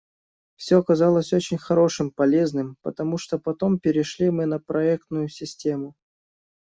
Все оказалось очень хорошим, полезным, потому что потом перешли мы на проектную систему.